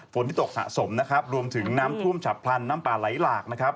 ฝนตกสะสมนะครับรวมถึงน้ำท่วมฉับพลันน้ำป่าไหลหลากนะครับ